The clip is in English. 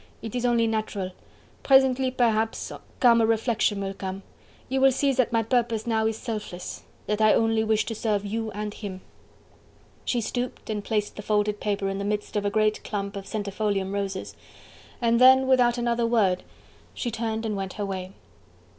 it is only natural... presently, perhaps, calmer reflection will come... you will see that my purpose now is selfless... that I only wish to serve you and him." She stooped and placed the folded paper in the midst of a great clump of centifolium roses, and then without another word she turned and went her way.